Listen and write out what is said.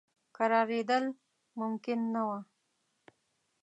کرارېدل ممکن نه وه.